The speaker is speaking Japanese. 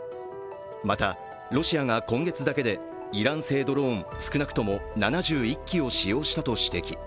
また、ロシアが今月だけでイラン製ドローン少なくとも７１機を使用したと指摘。